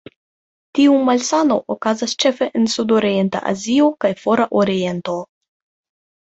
Tiu malsano okazas ĉefe en Sudorienta Azio kaj Fora Oriento.